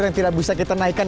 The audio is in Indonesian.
yang tidak bisa kita naikkan